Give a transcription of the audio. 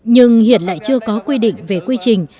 nhưng hiện lại chưa có quy định về quy trình